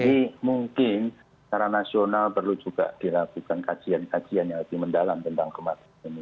mungkin secara nasional perlu juga dilakukan kajian kajian yang lebih mendalam tentang kematian ini